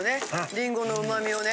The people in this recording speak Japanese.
リンゴの旨味をね。